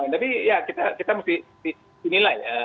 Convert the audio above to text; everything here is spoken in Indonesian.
tapi ya kita mesti dinilai